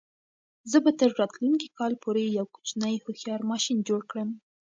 زه به تر راتلونکي کال پورې یو کوچنی هوښیار ماشین جوړ کړم.